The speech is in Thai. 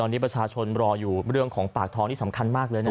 ตอนนี้ประชาชนรออยู่เรื่องของปากท้องนี่สำคัญมากเลยนะ